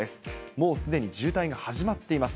もうすでに渋滞が始まっています。